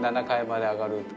７階まで上がる。